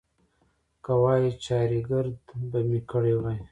که وای، چارېګرد به مې کړی وای.